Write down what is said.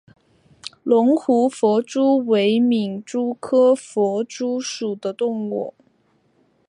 九湖弗蛛为皿蛛科弗蛛属的动物。